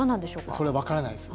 いや、それは分からないです。